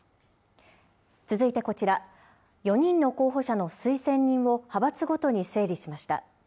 続いてこちら、４人の候補者の推薦人を、派閥ごとに整理しました。